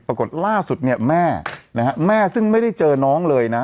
ปรากฏล่าสุดเนี่ยแม่นะฮะแม่ซึ่งไม่ได้เจอน้องเลยนะ